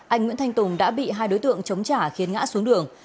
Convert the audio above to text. anh nguyễn thanh tùng đã bị hai đối tượng chống trả khiến ngã xuống đường